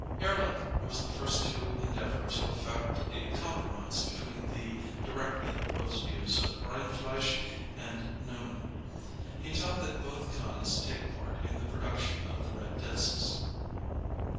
Ehrlich was the first to endeavour to effect a compromise between the directly opposed views of Rindfleisch and Neumann. He taught that both kinds take part in the production of the red discs.